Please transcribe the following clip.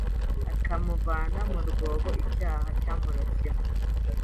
akamuvana mu rwobo icyaha cyamuroshyemo.